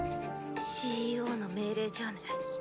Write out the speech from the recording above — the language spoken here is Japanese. ＣＥＯの命令じゃあね。